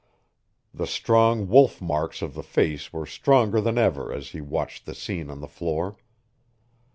The strong wolf marks of the face were stronger than ever as he watched the scene on the floor.